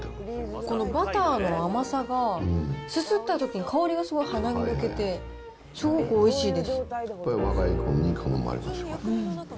このバターの甘さが、すすったときにすごい香りがすごい鼻に抜けて、すごくおいしいでこれ、若い子に好まれる。